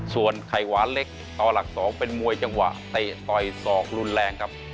ส่วนไข่หวานเล็กต่อหลัก๒เป็นมวยจังหวะเตะต่อยศอกรุนแรงครับ